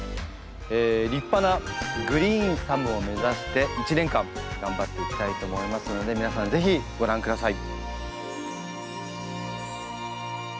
立派なグリーンサムを目指して１年間頑張っていきたいと思いますので皆さん是非ご覧下さい。